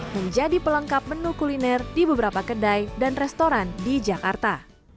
menjadi pelengkap menu kuliner di beberapa kedai dan restoran di jakarta